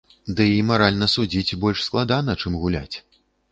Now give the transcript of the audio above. Ды і маральна судзіць больш складана, чым гуляць.